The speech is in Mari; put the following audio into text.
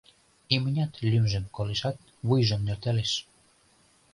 Имнят лӱмжым колешат, вуйжым нӧлталеш.